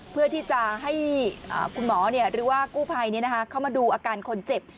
เพื่อที่จะให้คุณหมอหรือว่ากู้ภัยเข้ามาดูอาการคนเจ็บ